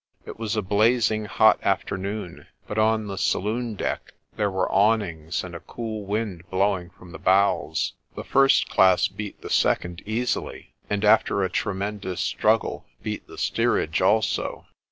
It was a blazing hot afternoon, but on the saloon deck there were awnings and a cool wind blowing 1 from the bows. The first class beat the second easily, and after a tremendous struggle beat the steerage also.